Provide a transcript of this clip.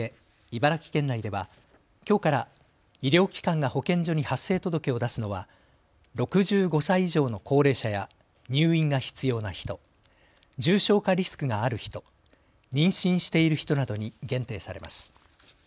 茨城県内ではきょうから医療機関が保健所に発生届を出すのは６５歳以上の高齢者や入院が必要な人、重症化リスクがある人、妊娠している人などに限定されます。